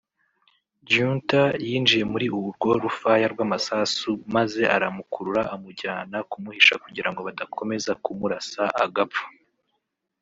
Giunta yinjiye muri urwo rufaya rw’amasasu maze aramukurura amujyana kumuhisha kugirango badakomeza kumurasa agapfa